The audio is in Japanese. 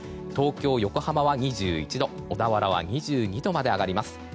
東京、横浜は２１度小田原は２２度まで上がります。